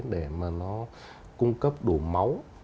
để mà nó cung cấp đủ máu